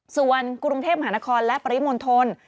ส่วนกรุงเทพมหานครและปริมณฑล